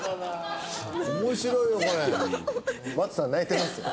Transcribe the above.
松さん泣いてますよ。